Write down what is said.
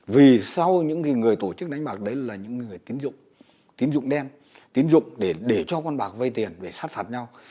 vì sau những người tổ chức đánh bạc đấy là những người tín dụng tín dụng đen tiến dụng để cho con bạc vay tiền để sát phạt nhau